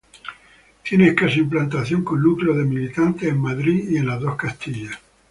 Tiene escasa implantación con núcleos de militantes en Madrid y en las dos Castillas.